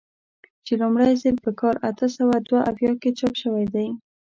چې لومړی ځل په کال اته سوه دوه اویا کې چاپ شوی دی.